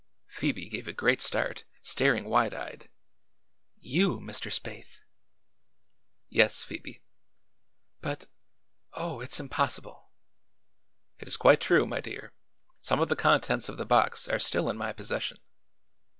Phoebe gave a great start, staring wide eyed. "You, Mr. Spaythe!" "Yes, Phoebe." "But Oh, it's impossible." "It is quite true, my dear. Some of the contents of the box are still in my possession."